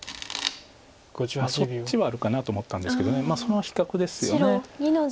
そっちはあるかなと思ったんですけどその比較ですよね。